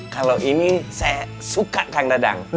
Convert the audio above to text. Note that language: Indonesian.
kalau ini saya suka kan didang